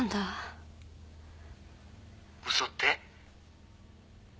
嘘って？